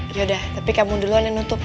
ehm yaudah tapi kamu duluan yang nutup ya